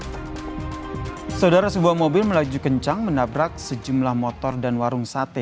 hai saudara sebuah mobil melaju kencang menabrak sejumlah motor dan warung sate